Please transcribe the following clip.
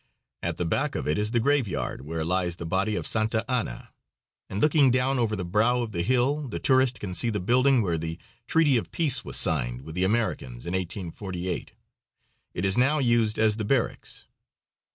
At the back of it is the graveyard, where lies the body of Santa Anna, and looking down over the brow of the hill the tourist can see the building where the treaty of peace was signed with the Americans in 1848. It is now used as the barracks.